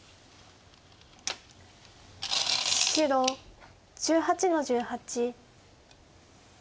白１８の十八。